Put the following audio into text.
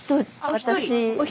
私。